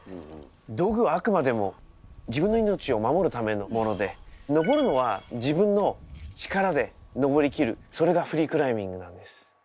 道具はあくまでも自分の命を守るためのもので登るのは自分の力で登りきるそれがフリークライミングなんです。